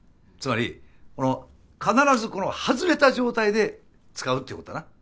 つまり必ずこの外れた状態で使うってことだな。